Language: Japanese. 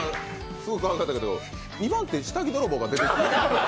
すごいかわいかったけど二番手下着泥棒が出てきた。